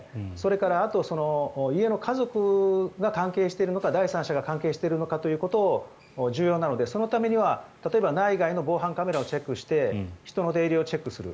それから、あと家の家族が関係しているのか第三者が関係しているかが重要なので、そのためには例えば、内外の防犯カメラをチェックして人の出入りを確認する。